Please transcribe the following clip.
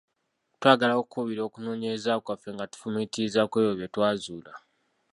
Twagala okukubira okunooyereza kwaffe nga tufumiitiriza kwebyo bye twazuula.